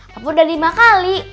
papu udah lima kali